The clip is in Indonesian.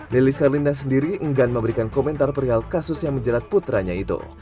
lili skarlinda sendiri enggan memberikan komentar perihal kasus yang menjerat putranya itu